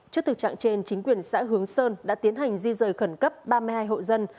trước thực trạng trên chính quyền xã hướng sơn đã tiến hành di rời khẩn cấp ba mươi hai hộ dân